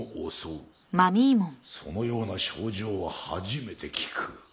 そのような症状は初めて聞く。